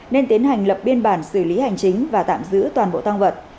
nên tiến hành lập biên bản xử lý hành chính và tạm giữ toàn bộ tăng vật